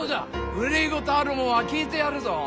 憂い事あるもんは聞いてやるぞ。